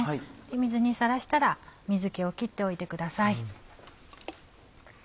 水にさらしたら水気を切っておいてください。